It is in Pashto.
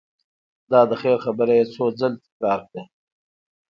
دا د خیر خبره یې څو ځل تکرار کړه.